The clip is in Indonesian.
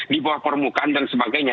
di bawah permukaan dan sebagainya